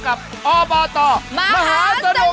อบตมหาสนุก